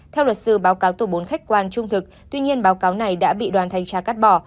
theo luật sư báo cáo tổ bốn khách quan trung thực tuy nhiên báo cáo này đã bị đoàn thanh tra cắt bỏ